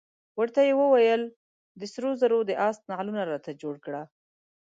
ورته یې وویل د سرو زرو د آس نعلونه راته جوړ کړه.